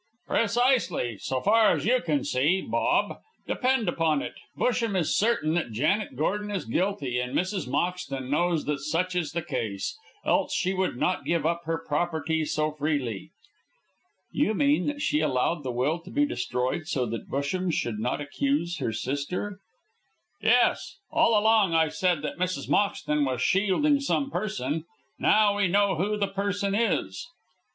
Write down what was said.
"Precisely, so far as you can see, Bob. Depend upon it, Busham is certain that Janet Gordon is guilty, and Mrs. Moxton knows that such is the case, else she would not give up her property so freely." "You mean that she allowed the will to be destroyed so that Busham should not accuse her sister?" "Yes. All along I said that Mrs. Moxton was shielding some person; now we know who the person is."